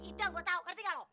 ida gue tau ngerti gak lo